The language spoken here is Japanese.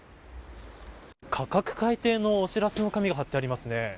価格改定のお知らせの紙が貼ってありますね。